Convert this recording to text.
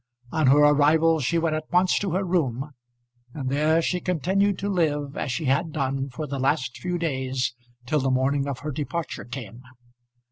On her arrival she went at once to her room, and there she continued to live as she had done for the last few days till the morning of her departure came.